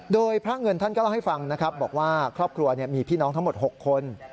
โดยพระเงินท่านก็เล่าให้ฟังนะครับบอกว่าครอบครัวมีพี่น้องทั้งหมด๖คน